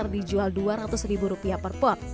dijual dua ratus ribu rupiah per pot